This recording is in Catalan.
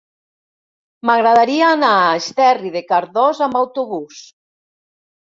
M'agradaria anar a Esterri de Cardós amb autobús.